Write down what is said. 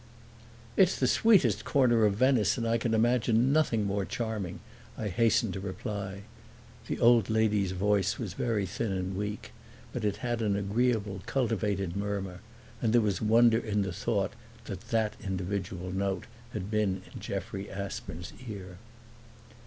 "It's the sweetest corner of Venice and I can imagine nothing more charming," I hastened to reply. The old lady's voice was very thin and weak, but it had an agreeable, cultivated murmur, and there was wonder in the thought that that individual note had been in Jeffrey Aspern's ear.